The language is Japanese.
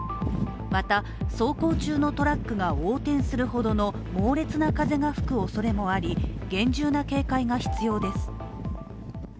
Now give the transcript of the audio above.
また走行中のトラックが横転するほどの猛烈な風が吹くおそれもあり厳重な警戒が必要です。